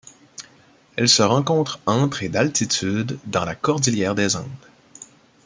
Elle se rencontre entre et d'altitude dans la cordillère des Andes.